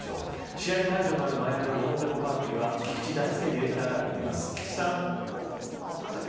試合会場となるマイアミのローンデポ・パークには菊池大輔ディレクターが行っています。